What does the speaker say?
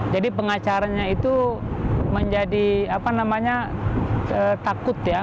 jadi pengacaranya itu menjadi takut ya